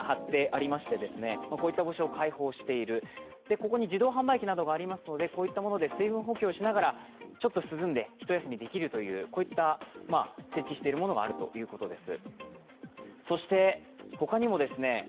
ここに自動販売機などがありますので、こういったもので水分補給をしながらちょっと涼んで一休みできるという、設置しているものがあるということです。